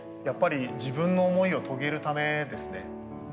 やっぱり自分の思いを遂げるためですね。